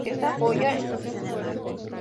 Esta joya histórica no es un caso único.